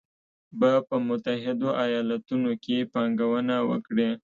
به په متحدو ایالتونو کې پانګونه وکړي